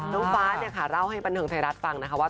น้องฟ้าเนี่ยค่ะเล่าให้บันเทิงไทยรัฐฟังนะคะว่า